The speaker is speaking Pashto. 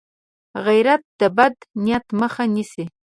غیرت د بد نیت مخه نیسي